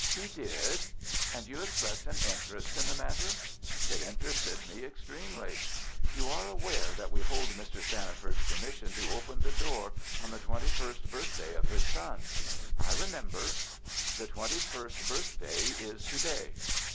"He did." "And you expressed an interest in the matter." "It interested me extremely." "You are aware that we hold Mr. Stanniford's permission to open the door on the twenty first birthday of his son?" "I remember." "The twenty first birthday is to day."